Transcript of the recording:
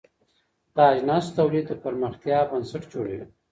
د اجناسو تولید د پرمختیا بنسټ جوړوي.